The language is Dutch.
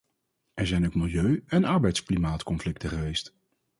Er zijn ook milieu- en arbeidsklimaatconflicten geweest.